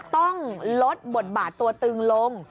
ต้องลดบทบาทตัวตึงลง